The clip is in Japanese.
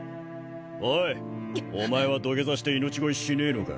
おいお前は土下座して命乞いしねえのか？